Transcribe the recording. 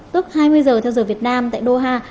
tức hai mươi giờ theo giờ việt nam tại doha